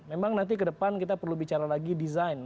memang nanti kedepan kita perlu bicara lagi design